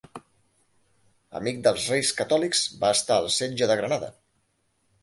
Amic dels Reis Catòlics, va estar al setge de Granada.